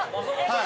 はい。